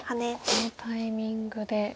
このタイミングで。